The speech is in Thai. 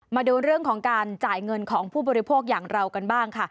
มาดูเรื่องของการจ่ายเงินของผู้บริโภคอย่างเรากันบ้างค่ะ